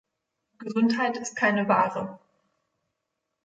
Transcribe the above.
Gesundheit ist keine Ware.